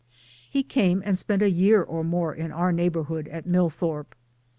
He came and spent a year or more in our neighbor hood at Millthorpe.